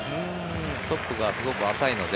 トップがすごく浅いので、